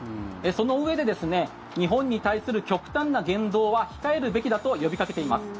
そのうえで日本に対する極端な言動は控えるべきだと呼びかけています。